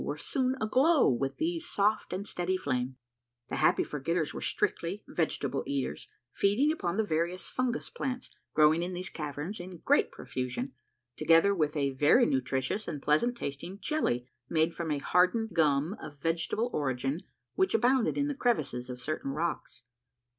were soon aglow with these soft and steady hames. A MA/iVELLOUS UNDERGROUND JOURNEY 229 The Happy Forge tters were strictly vegetable eaters, feeding upon the various fungous plants growing in these caverns in great profusion, together with a very nutritious and pleasant tasting jelly made from a hardened gum of vegetable origin which abounded in the crevices of certain rocks.